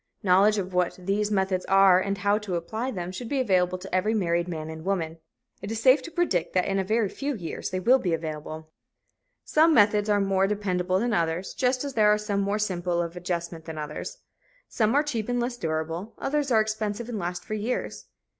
Knowledge of what these methods are and how to apply them should be available to every married man and woman. It is safe to predict that in a very few years they will be available. Some methods are more dependable than others, just as there are some more simple of adjustment than others. Some are cheap and less durable; others are expensive and last for years.